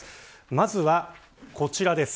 まずはこちらです。